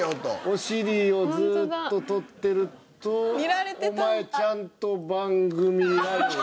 お尻をずっと撮ってるとお前ちゃんと番組やれよ。